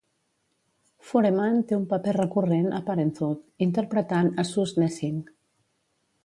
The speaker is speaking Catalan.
Foreman té un paper recorrent a "Parenthood" interpretant a Suze Lessing.